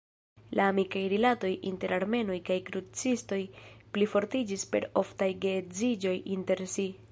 La amikaj rilatoj inter armenoj kaj krucistoj plifortiĝis per oftaj geedziĝoj inter si.